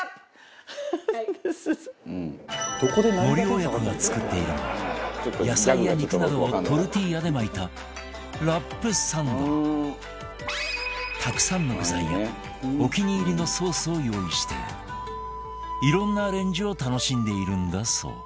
森親子が作っているのは野菜や肉などをトルティーヤで巻いたたくさんの具材やお気に入りのソースを用意して色んなアレンジを楽しんでいるんだそう